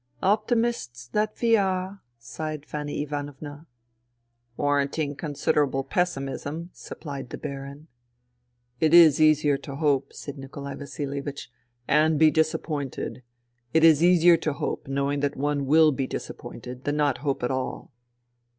" Optimists that we are I " sighed Fanny Ivanovna. "Warranting considerable pessimism,'* supplied the Baron. "It is easier to hope," said Nikolai Vasilievich, " and be disappointed, it is easier to hope knowing that one will be disappointed, than not hope at all."